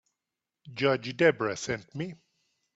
Judge Debra sent me.